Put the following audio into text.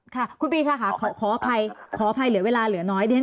ครับคุณปีชาขออภัยเหลือเวลาเหลือน้อย